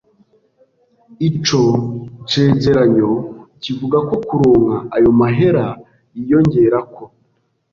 Ico cegeranyo kivuga ko kuronka ayo mahera yiyongerako